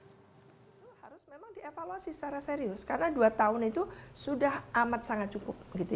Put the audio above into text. itu harus memang dievaluasi secara serius karena dua tahun itu sudah amat sangat cukup